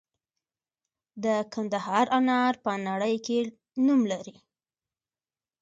د کندهار انار په نړۍ کې نوم لري.